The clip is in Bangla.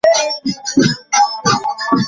এটা দেখতে কাফনের মতো লাগছে, এতো বড় আর সাদা।